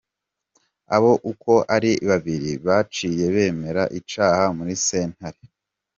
Abo uko ari babiri baciye bemera icaha muri sentare.